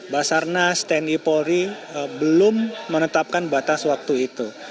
basarnas tni polri belum menetapkan batas waktu itu